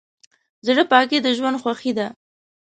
زړه پاکي د ژوند خوښي ده.